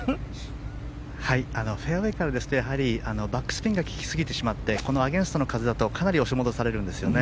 フェアウェーからバックスピンが利きすぎてしまってアゲンストの風だとかなり押し戻されるんです。